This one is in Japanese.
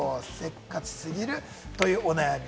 せっかち過ぎるというお悩み。